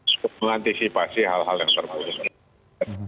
cukup mengantisipasi hal hal yang serba serta